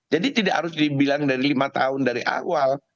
jadi tidak harus dibilang dari lima tahun dari awal